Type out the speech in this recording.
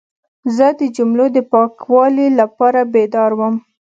زه د جملو د پاکوالي لپاره بیدار وم.